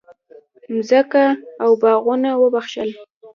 مځکه او باغونه وبخښل.